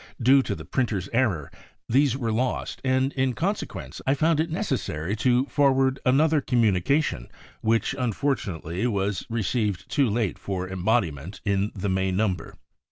Due to the printer's error these were lost and, in con sequence, I found it necessary to forward another communication which, unfortunate ly, was received too late for embodiment in the May number.